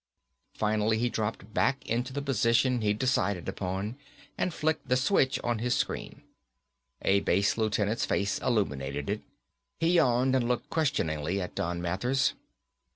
Finally he dropped back into the position he'd decided upon, and flicked the switch of his screen. A base lieutenant's face illuminated it. He yawned and looked questioningly at Don Mathers.